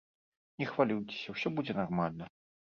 Не хвалюйцеся, усё будзе нармальна.